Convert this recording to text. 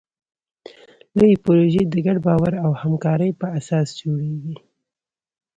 لویې پروژې د ګډ باور او همکارۍ په اساس جوړېږي.